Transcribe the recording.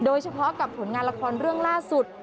โดยเฉพาะกับผลงานละครเรื่องล่าสุด